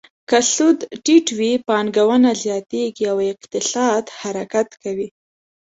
که سود ټیټ وي، پانګونه زیاتیږي او اقتصاد حرکت کوي.